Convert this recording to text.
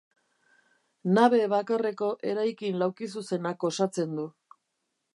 Nabe bakarreko eraikin laukizuzenak osatzen du.